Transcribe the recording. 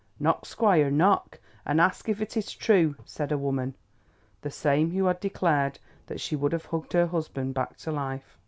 "Knock, squire, knock, and ask if it is true," said a woman, the same who had declared that she would have hugged her husband back to life.